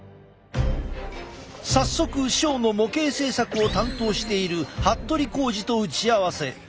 早速ショーの模型製作を担当している服部弘弐と打ち合わせ。